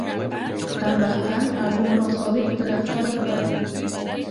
Tambahkan album Rock Solid ke daftar putarku